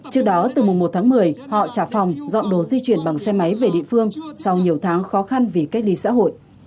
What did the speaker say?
trước đó từ mùng một tháng một mươi họ trả phòng dọn đồ di chuyển bằng xe máy về địa phương sau nhiều tháng khó khăn vì cách ly xã hội